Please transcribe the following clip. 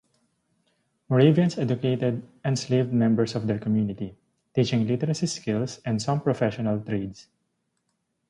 Moravians educated enslaved members of their community, teaching literacy skills and some professional trades.